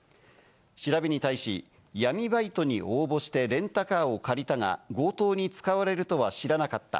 調べに対し、闇バイトに応募してレンタカーを借りたが、強盗に使われるとは知らなかった。